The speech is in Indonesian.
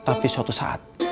tapi suatu saat